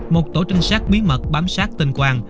một tổ trinh sát bí mật bám sát tình quang